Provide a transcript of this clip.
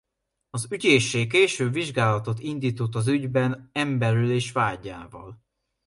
Az ügyészség később vizsgálatot indított az ügyben emberölés vádjával.